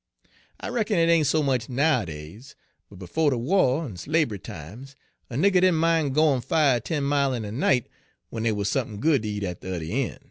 I reckon it ain' so much so nowadays, but befo' de wah, in slab'ry times, a nigger didn' mine goin' fi' er ten mile in a night, w'en dey wuz sump'n good ter eat at de yuther een'.